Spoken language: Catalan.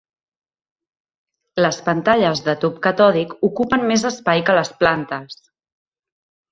Les pantalles de tub catòdic ocupen més espai que les planes.